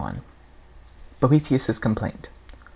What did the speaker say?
SONG I. BOETHIUS' COMPLAINT.